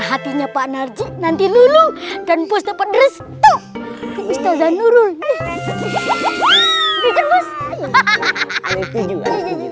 hatinya pak narji nanti lulu dan bos dapat restu ustadz nurul hahaha hahaha